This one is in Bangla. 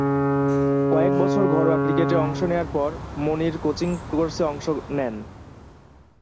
কয়েক বছর ঘরোয়া ক্রিকেটে অংশ নেয়ার পর মনির কোচিং কোর্সে অংশ নেন।